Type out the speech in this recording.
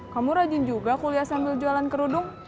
kamu rajin juga kuliah sambil jualan kerudung